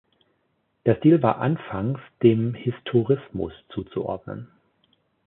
Der Stil war anfangs dem Historismus zuzuordnen.